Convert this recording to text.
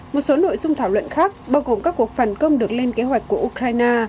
một số nội dung thảo luận khác bao gồm các cuộc phản công được lên kế hoạch của ukraine